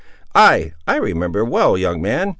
Ay, I remember you well, young man.